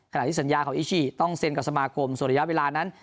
ที่สัญญาของอิชิต้องเซ็นกับสมาคมส่วนระยะเวลานั้น